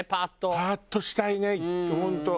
パァーッとしたいね本当。